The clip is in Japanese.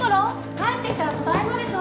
帰って来たらただいまでしょ！